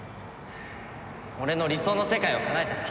俺の理想の世界をかなえてな。